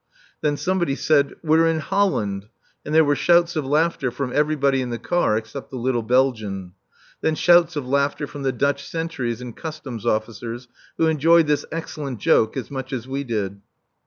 Then somebody said "We're in Holland!" and there were shouts of laughter from everybody in the car except the little Belgian. Then shouts of laughter from the Dutch sentries and Customs officers, who enjoyed this excellent joke as much as we did.